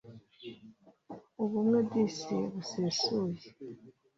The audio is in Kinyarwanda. ubumwe disi busesuye